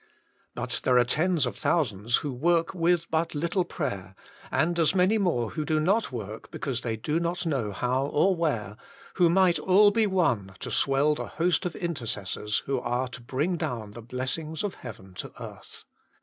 But there are tens of thousands who work with but little prayer, and as many more who do not work because they do not know how or where, who might all be won to swell the host of intercessors who are to bring down the blessings of heaven to earth.